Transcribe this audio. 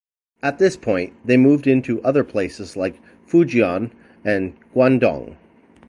At this point they moved into other places like Fujian and Guangdong.